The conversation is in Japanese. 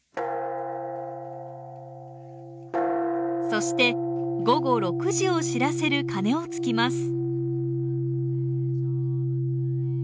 そして午後６時を知らせる鐘をつきます。